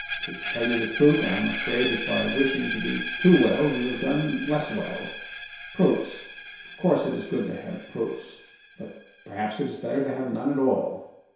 To tell you the truth I am afraid that by wishing to do too well you have done less well. Proofs! of course it is good to have proofs, but perhaps it is better to have none at all.